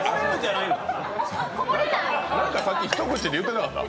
なんかさっき、一口でって言ってなかった？